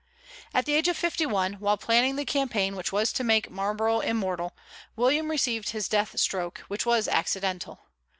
At the age of fifty one, while planning the campaign which was to make Marlborough immortal, William received his death stroke, which was accidental.